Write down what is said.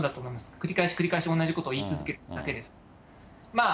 繰り返し繰り返し同じことを言い続けてただけです。